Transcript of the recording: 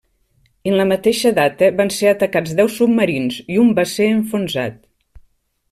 En la mateixa data van ser atacats deu submarins i un va ser enfonsat.